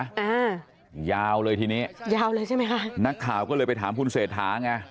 อ่ายาวเลยทีนี้ยาวเลยใช่ไหมคะนักข่าวก็เลยไปถามคุณเศรษฐาไง